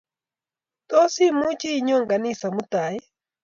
Tos imuchi inyo ganisa mutai ii?